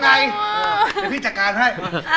เดี๋ยวพี่จัดการให้